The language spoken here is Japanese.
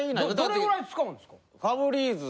どれぐらい使うんですか？